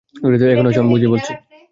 এখানে আসো, আমি বুঝিয়ে বলছি।